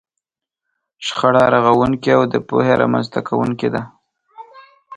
شخړه رغونکې او د پوهې رامنځته کوونکې ده.